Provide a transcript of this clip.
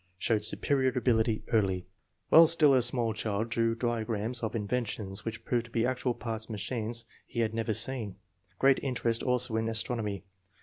Showed superior ability early. While still a small child drew diagrams of "inventions" which proved to be actual parts of machines he had never seen. Great interest also in astronomy.